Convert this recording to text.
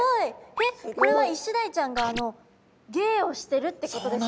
えっこれはイシダイちゃんが芸をしてるってことですか？